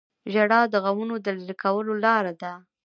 • ژړا د غمونو د لرې کولو لاره ده.